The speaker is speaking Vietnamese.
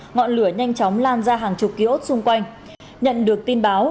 ngọn lửa nhanh chóng lan ra hàng chục ký ốt xung quanh nhận được tin báo